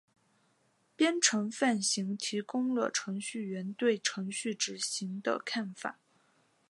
编程范型提供了程序员对程序执行的看法。